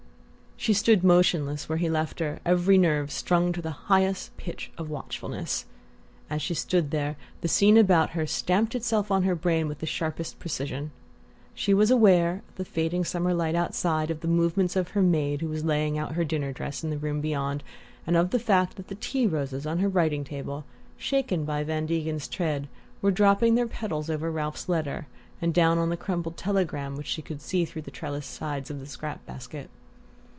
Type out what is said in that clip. She stood motionless where he left her, every nerve strung to the highest pitch of watchfulness. As she stood there, the scene about her stamped itself on her brain with the sharpest precision. She was aware of the fading of the summer light outside, of the movements of her maid, who was laying out her dinner dress in the room beyond, and of the fact that the tea roses on her writing table, shaken by Van Degen's tread, were dropping their petals over Ralph's letter, and down on the crumpled telegram which she could see through the trellised sides of the scrap basket.